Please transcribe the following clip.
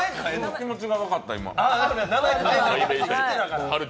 気持ちが分かった、今。